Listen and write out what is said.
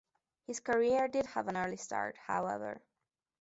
His career did have an early start, however.